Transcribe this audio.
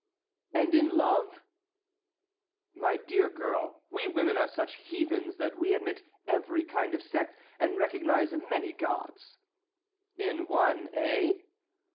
"And in love?" "My dear girl, we women are such heathens that we admit every kind of sect, and recognize many gods." "In one, eh?"